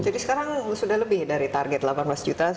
jadi sekarang sudah lebih dari target delapan belas juta